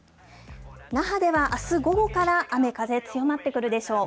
那覇ではあす午後から雨風強まってくるでしょう。